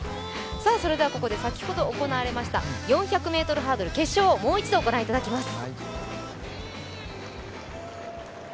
ここで先ほど行われました４００ｍハードル決勝をもう一度ご覧いただきます。